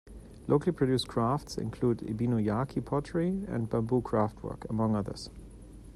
Locally produced crafts include "Ebino-yaki" pottery and bamboo craftwork, among others.